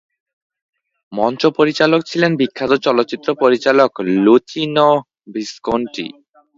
মঞ্চ পরিচালক ছিলেন বিখ্যাত চলচ্চিত্র পরিচালক লুচিনো ভিস্কোন্টি।